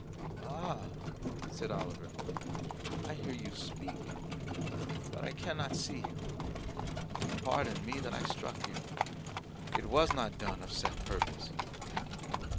"Ah!" said Oliver, "I hear you speak, but I cannot see you. Pardon me that I struck you; it was not done of set purpose."